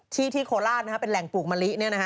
ที่โคราชเป็นแหล่งปลูกมะลิ